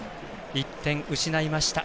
１点失いました。